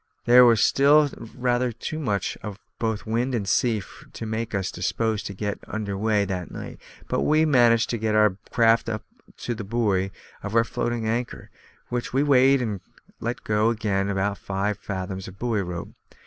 There was still rather too much of both wind and sea to make us disposed to get under way that night, but we managed to get the craft up to the buoy of our floating anchor, which we weighed and let go again with five fathoms of buoy rope.